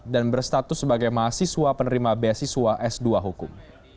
dan berstatus sebagai mahasiswa penerima beasiswa s dua hukum